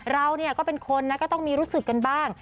เราก็เป็นคนนะก็ต้องมีรู้สึกกันบ้าง